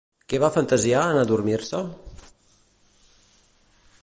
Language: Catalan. Què va fantasiar, en adormir-se?